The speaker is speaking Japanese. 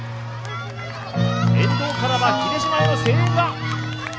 沿道からは秀島への声援が！